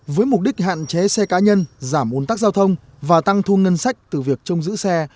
với mục đích hạn chế xe cá nhân giảm ồn tắc giao thông và tăng thu ngân sách từ việc trông giữ xe